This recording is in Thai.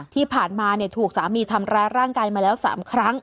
ที่ผ่านมาถูกสามีทำร้ายร่างกายมาแล้ว๓ครั้ง